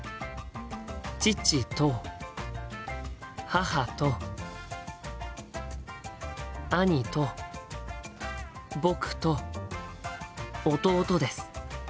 父と母と兄と僕と弟です。